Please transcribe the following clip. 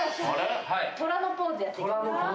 虎のポーズやっていきます。